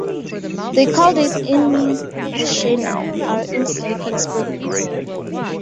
They called it "in Machina" or "in silico" experiments.